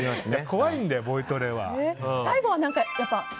怖いんだよ、ボイトレは。